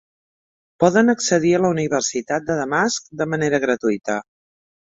Poden accedir a la Universitat de Damasc de manera gratuïta.